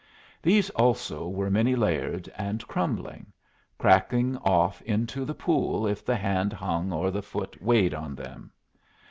These also were many layered and crumbling, cracking off into the pool if the hand hung or the foot weighed on them.